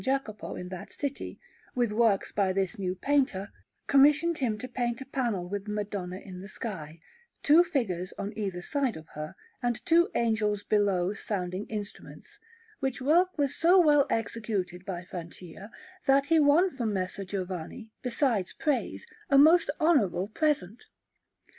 Jacopo in that city, with works by this new painter, commissioned him to paint a panel with the Madonna in the sky, two figures on either side of her, and two angels below sounding instruments; which work was so well executed by Francia, that he won from Messer Giovanni, besides praise, a most honourable present.